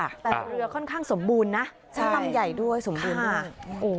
แต่เรือค่อนข้างสมบูรณ์นะลำใหญ่ด้วยสมบูรณ์มาก